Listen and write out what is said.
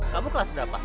kamu kelas berapa